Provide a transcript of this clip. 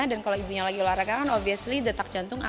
dan kalau ibunya lagi olahraga kan obviously detak jantungnya